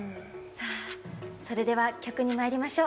それでは曲にまいりましょう。